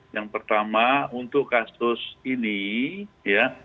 yang pertama untuk kasus ini ya